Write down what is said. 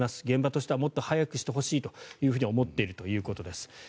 現場としてはもっと早くしてほしいと思っているということです。